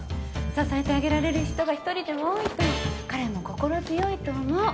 支えてあげられる人が一人でも多いと彼も心強いと思う。